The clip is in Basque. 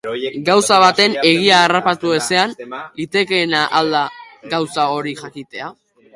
Gauza baten egia harrapatu ezean, litekeena al da gauza hori jakitea?